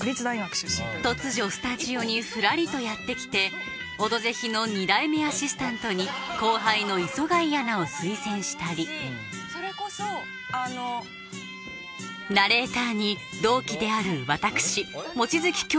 突如スタジオにふらりとやって来て「オドぜひ」の２代目アシスタントに後輩の磯貝アナを推薦したりナレーターに同期である私望月杏